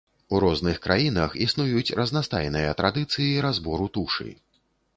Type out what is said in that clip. У розных краінах існуюць разнастайныя традыцыі разбору тушы.